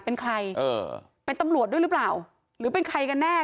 เป็นใครเออเป็นตำรวจด้วยหรือเปล่าหรือเป็นใครกันแน่